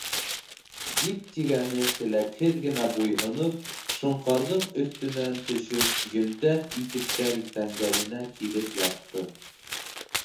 Дик тигәне теләкһеҙ генә буйһоноп, Шоңҡарҙың өҫтөнән төшөп, йөнтәҫ итектәр тәңгәленә килеп ятты.